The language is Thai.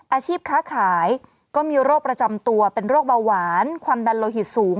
อาชีพค้าขายก็มีโรคประจำตัวเป็นโรคเบาหวานความดันโลหิตสูง